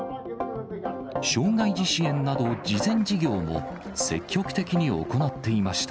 障がい児支援など慈善事業も積極的に行っていました。